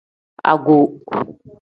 Ago.